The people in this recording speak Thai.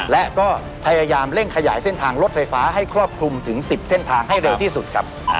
และก็พยายามเร่งขยายเส้นทางรถไฟฟ้าให้ครอบคลุมถึง๑๐เส้นทางให้เร็วที่สุดครับ